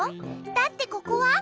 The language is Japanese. だってここは。